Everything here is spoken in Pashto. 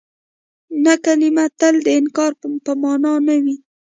نه کلمه تل د انکار په مانا نه وي.